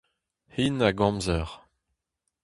Hin hag amzer.